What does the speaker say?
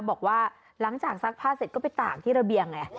บอกว่าหลังจากซักผ้าเสร็จก็ไปตากที่ระเบียงไง